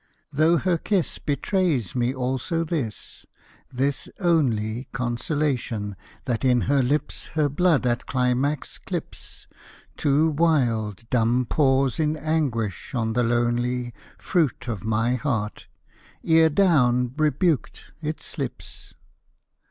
Though her kiss betrays me also this, this only Consolation, that in her lips her blood at climax clips Two wild, dumb paws in anguish on the lonely Fruit of my heart, ere down, rebuked, it slips.